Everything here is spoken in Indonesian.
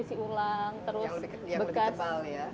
yang lebih kepal ya